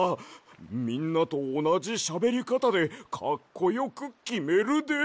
みんなとおなじしゃべりかたでかっこよくきめるで。